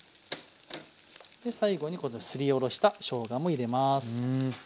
で最後にこのすりおろしたしょうがも入れます。